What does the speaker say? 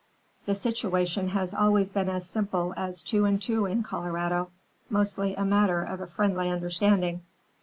The situation has always been as simple as two and two in Colorado; mostly a matter of a friendly understanding."